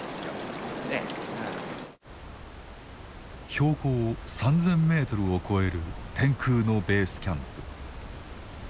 標高３，０００メートルを超える天空のベースキャンプ。